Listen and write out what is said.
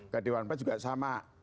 ke dewan empat juga sama